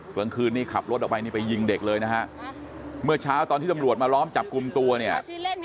กลางคืนนี้ขับรถออกไปนี่ไปยิงเด็กเลยนะฮะเมื่อเช้าตอนที่ตำรวจมาล้อมจับกลุ่มตัวเนี่ย